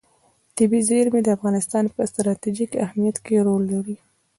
طبیعي زیرمې د افغانستان په ستراتیژیک اهمیت کې رول لري.